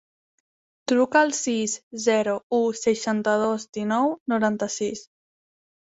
Truca al sis, zero, u, seixanta-dos, dinou, noranta-sis.